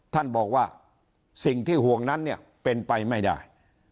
ท่านบอกว่าสิ่งที่ห่วงนั้นเนี่ยเป็นไปไม่ได้